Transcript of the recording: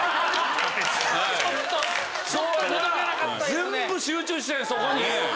全部集中してそこに。